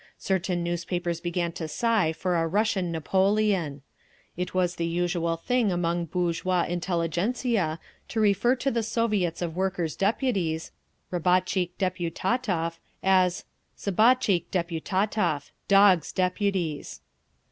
Certain newspapers began to sigh for a "Russian Napoleon." It was the usual thing among bourgeois intelligentzia to refer to the Soviets of Workers' Deputies (Rabotchikh Deputatov) as Sabatchikh Deputatov—Dogs' Deputies.